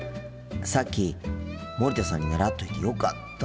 さっき森田さんに習っといてよかった。